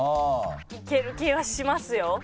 いける気はしますよ。